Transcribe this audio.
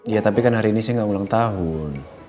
ya tapi kan hari ini sih gak ulang tahun